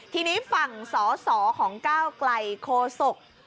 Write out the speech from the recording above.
ที่นี้ฝั่งสอของเก้าไกรโฆษก